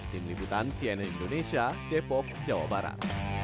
tim liputan cnn indonesia depok jawa barat